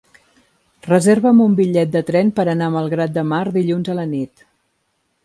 Reserva'm un bitllet de tren per anar a Malgrat de Mar dilluns a la nit.